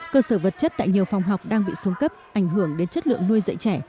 cơ sở vật chất tại nhiều phòng học đang bị xuống cấp ảnh hưởng đến chất lượng nuôi dạy trẻ